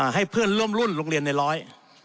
ให้เพื่อนร่วมรุ่นโรงเรียนในร้อย